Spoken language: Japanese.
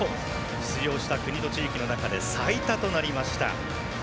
出場した国と地域の中で最多となりました。